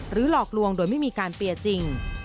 หรือหลอกลวงโดยไม่มีการเปลี่ยจริง